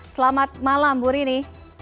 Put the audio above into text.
selamat malam bu rini